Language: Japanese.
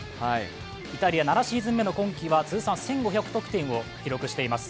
イタリア７シーズン目の今季は、通算１５００得点を記録しています。